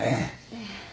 ええ。